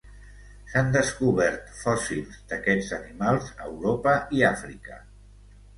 S'han descobert fòssils d'aquests animals a Europa i Àfrica.